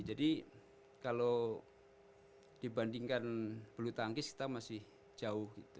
jadi kalau dibandingkan belutangkis kita masih jauh gitu